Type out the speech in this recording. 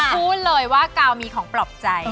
พูดเลยว่ากาวมีของปลอบใจ